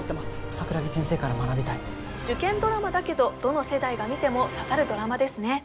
桜木先生から学びたい受験ドラマだけどどの世代が見ても刺さるドラマですね